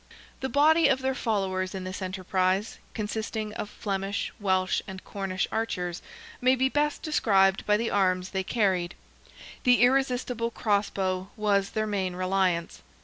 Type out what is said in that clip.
The body of their followers in this enterprise, consisting of Flemish, Welsh, and Cornish archers, may be best described by the arms they carried. The irresistible cross bow was their main reliance.